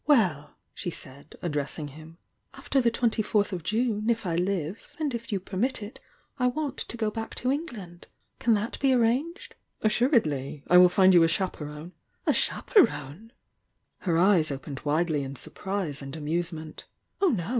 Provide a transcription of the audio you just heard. "Well!" she said, addressing him, "after the twenty lourtii of June, if I live, and if you permit it, I want to go back to England. Can that be arranged?" "Assuredly! I will find you a chaperone " "A chaperone!" Her eyes opened widely in sur priw and amusement. "Oh, no!